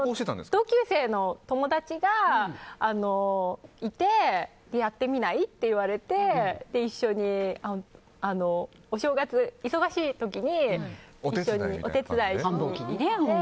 同級生の友達がいてやってみない？って言われて一緒にお正月、忙しい時にお手伝いして。